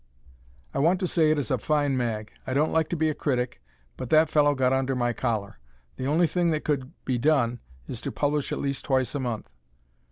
I want to say it is a fine mag. I don't like to be a critic, but that fellow got under my collar. The only thing that could be done is to publish at least twice a month.